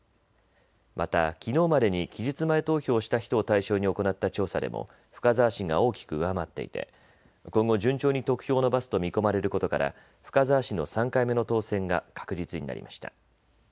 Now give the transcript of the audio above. また、きのうまでに期日前投票をした人を対象に行った調査でも深澤氏が大きく上回っていて今後、順調に得票を伸ばすと見込まれることから深澤氏の３回目の当選が確実になりました。